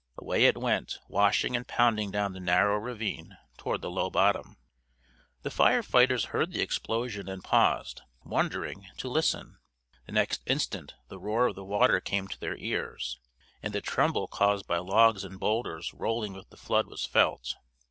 Away it went, washing and pounding down the narrow ravine, toward the low bottom. The fire fighters heard the explosion and paused, wondering, to listen. The next instant the roar of the water came to their ears, and the tremble caused by logs and boulders rolling with the flood was felt.